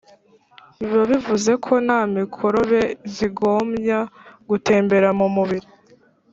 biba bivuze ko na mikorobe zigomya gutembera mu mubiri